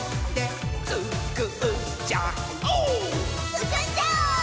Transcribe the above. つくっちゃおう！